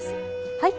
はい。